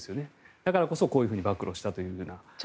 だからこそ、こういうふうに暴露したという話が。